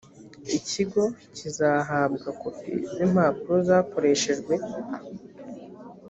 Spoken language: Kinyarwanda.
ikigo cyizahabwa kopi z impapuro zakoreshejwe